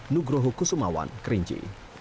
nugroho kusumawan kerinci